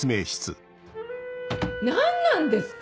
何なんですか？